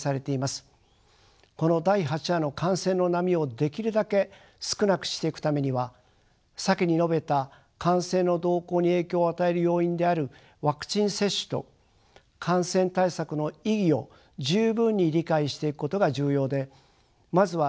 この第８波の感染の波をできるだけ少なくしていくためには先に述べた感染の動向に影響を与える要因であるワクチン接種と感染対策の意義を十分に理解していくことが重要でまずは